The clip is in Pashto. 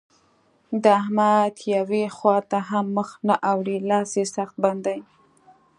د احمد يوې خوا ته هم مخ نه اوړي؛ لاس يې سخت بند دی.